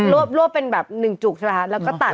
รวบเป็นแบบหนึ่งจุกใช่ไหมคะแล้วก็ตัด